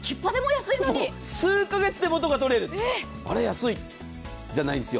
数か月で元が取れる、あら安い、じゃないんですよ。